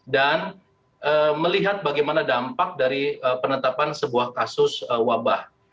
dan melihat bagaimana dampak dari penetapan sebuah kasus wabah